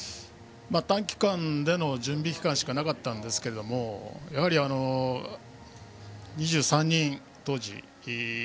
短期間での準備期間しかなかったんですがやはり２３人、当時。